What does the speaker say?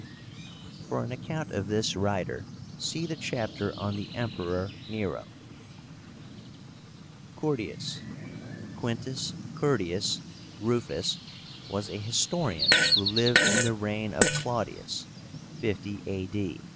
For an account of this writer see the chapter on the Emperor Nero, page 189. CURTIUS. QUINTUS CURTIUS RUFUS was a historian who lived in the reign of Claudius (50 A.D.).